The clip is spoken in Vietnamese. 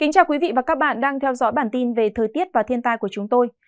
cảm ơn các bạn đã theo dõi và ủng hộ cho bản tin thời tiết và thiên tai của chúng tôi